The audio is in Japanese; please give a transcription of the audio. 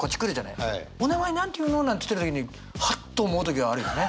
「お名前何て言うの？」なんて言ってた時にハッと思う時はあるよね。